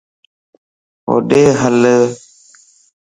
ھوڏي ھل